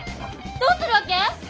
どうするわけ？